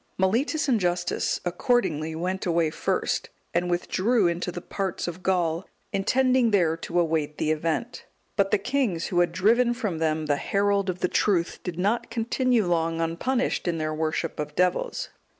Mellitus and Justus accordingly went away first, and withdrew into the parts of Gaul, intending there to await the event. But the kings, who had driven from them the herald of the truth, did not continue long unpunished in their worship of devils.